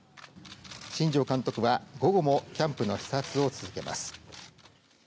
新庄監督は午後もキャンプの視察を続けます。